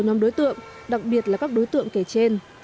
nhóm đối tượng đặc biệt là các đối tượng kể trên